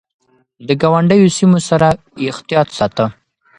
د ګاونډيو سيمو سره يې احتياط ساته.